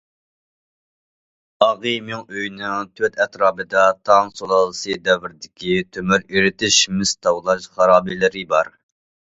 ئاغى مىڭئۆيىنىڭ تۆت ئەتراپىدا تاڭ سۇلالىسى دەۋرىدىكى تۆمۈر ئېرىتىش، مىس تاۋلاش خارابىلىرى بار.